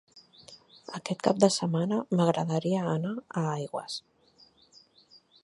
Aquest cap de setmana m'agradaria anar a Aigües.